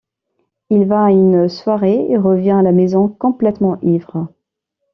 Il va à une soirée et revient à la maison complètement ivre.